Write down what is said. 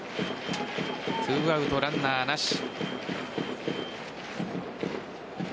２アウトランナーなし。